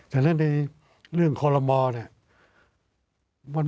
ฉะนั้นในเรื่องคอลโลมอล์